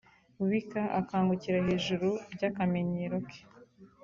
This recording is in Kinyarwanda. Rubika akangukira hejuru by’akamenyero ke